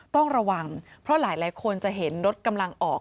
ต้องระวังเพราะหลายคนจะเห็นรถกำลังออก